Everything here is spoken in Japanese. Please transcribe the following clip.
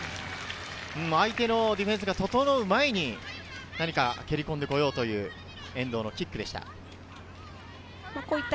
相手のディフェンスが整う前に蹴りこんで来ようという遠藤のキックでした。